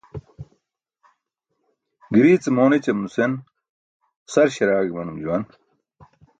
Girii ce moon ećam nusen sar śaraaẏ imanum juwan.